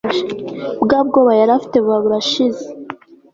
bwa bwoba yari afite buba burashize